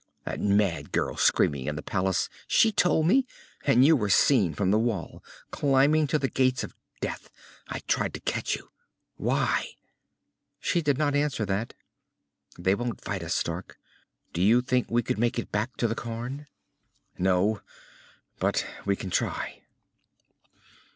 That mad girl, screaming in the palace she told me, and you were seen from the wall, climbing to the Gates of Death. I tried to catch you." "Why?" She did not answer that. "They won't fight us, Stark. Do you think we could make it back to the cairn?" "No. But we can try."